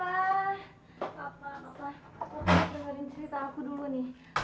papa dengerin cerita aku dulu nih